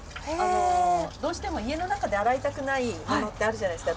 どうしても家の中で洗いたくないものってあるじゃないですか。